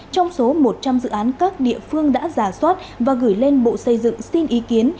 trong số một trăm linh dự án các địa phương đã giả soát và gửi lên bộ xây dựng xin ý kiến